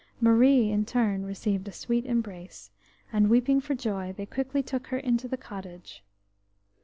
Marie, in turn received a sweet embrace, and, weeping for joy, they quickly took her into the cottage.